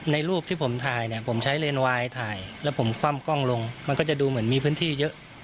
รูปที่ผมถ่ายเนี่ยผมใช้เลนวายถ่ายแล้วผมคว่ำกล้องลงมันก็จะดูเหมือนมีพื้นที่เยอะ